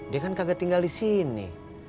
dia kan kagak tinggal disini